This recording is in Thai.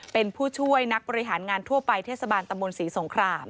เป็นผู้ช่วยนักบริหารงานทั่วไปเทศบาลตำบลศรีสงคราม